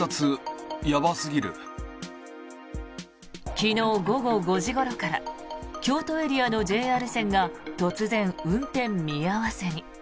昨日午後５時ごろから京都エリアのＪＲ線が突然、運転見合わせに。